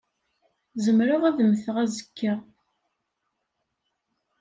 Zemreɣ ad mmteɣ azekka.